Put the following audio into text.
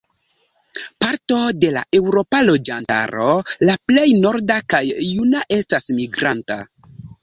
Parto de la eŭropa loĝantaro -la plej norda kaj juna- estas migranta.